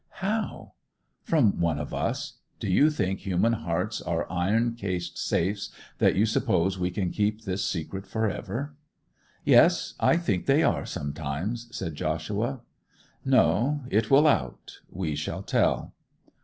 'How?' 'From one of us. Do you think human hearts are iron cased safes, that you suppose we can keep this secret for ever?' 'Yes, I think they are, sometimes,' said Joshua. 'No. It will out. We shall tell.